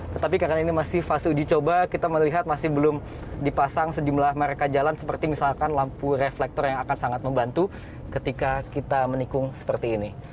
tetapi karena ini masih fase uji coba kita melihat masih belum dipasang sejumlah mereka jalan seperti misalkan lampu reflektor yang akan sangat membantu ketika kita menikung seperti ini